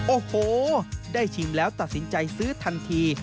โอ้โหได้ชิมแล้วตัดสินใจซื้อทันที